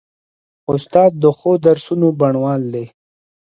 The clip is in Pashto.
استاد د ښو درسونو بڼوال دی.